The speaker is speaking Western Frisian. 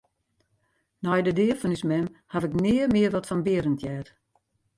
Nei de dea fan ús mem haw ik nea mear wat fan Berend heard.